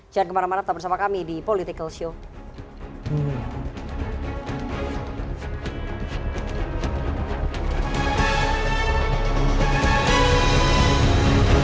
jangan kemana mana tetap bersama kami di political show